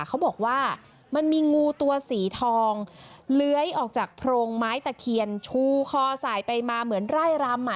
เขาบอกว่ามันมีงูตัวสีทองเลื้อยออกจากโพรงไม้ตะเคียนชูคอสายไปมาเหมือนไร่รำ